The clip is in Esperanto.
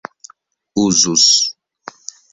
uzus